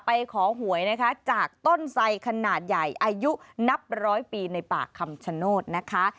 ไปขอหวยนะคะจากต้นไสขนาดใหญ่อายุนับร้อยปีในป่าคำชโนธนะคะ